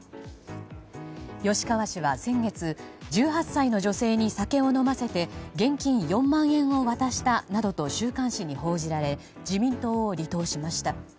吉川氏は先月１８歳の女性に酒を飲ませて現金４万円を渡したなどと週刊誌に報じられ自民党を離党しました。